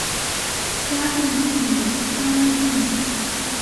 嘉靖四年乡试中举。